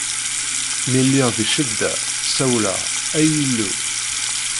Mi lliɣ di ccedda, sawleɣ: Ay Illu!